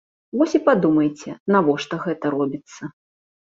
Вось і падумайце, навошта гэта робіцца.